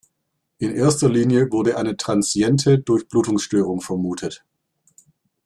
In erster Linie wurde eine transiente Durchblutungsstörung vermutet.